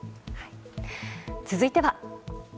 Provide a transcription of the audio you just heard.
続いては。